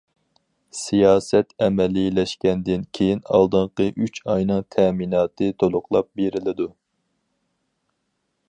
سىياسەت ئەمەلىيلەشكەندىن كېيىن، ئالدىنقى ئۈچ ئاينىڭ تەمىناتى تولۇقلاپ بېرىلىدۇ.